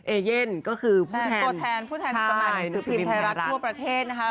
เอเย่นก็คือผู้แทนนักสืบพิมพ์ไทยรัฐทั่วประเทศนะคะ